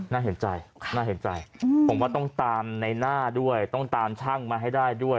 น่าเห็นใจน่าเห็นใจผมว่าต้องตามในหน้าด้วยต้องตามช่างมาให้ได้ด้วย